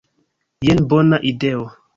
Jen bona ideo.